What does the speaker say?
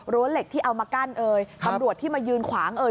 เหล็กที่เอามากั้นเอ่ยตำรวจที่มายืนขวางเอ่ย